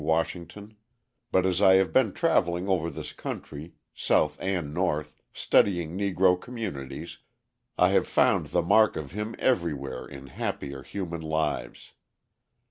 Washington, but as I have been travelling over this country, South and North, studying Negro communities, I have found the mark of him everywhere in happier human lives.